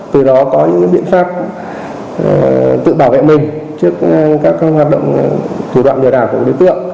từ đó có những biện pháp tự bảo vệ mình trước các hoạt động thủ đoạn lừa đảo của đối tượng